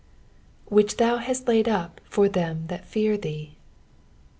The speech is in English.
" Whiih thou htut laid vp Jbr them that fear thee."